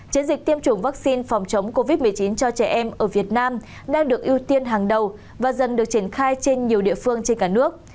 chiến dịch tiêm chủng vaccine phòng chống covid một mươi chín cho trẻ em ở việt nam đang được ưu tiên hàng đầu và dần được triển khai trên nhiều địa phương trên cả nước